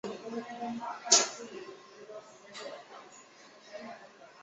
这个结果对于验证海森堡理论的可信度非常重要。